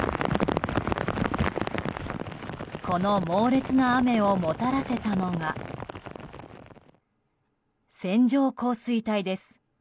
この猛烈な雨をもたらせたのが線状降水帯です。